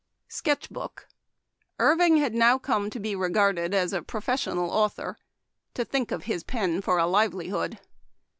" Sketch Book. — Irving had now come to be regarded as a professional author ; to think of his pen for a livelihood.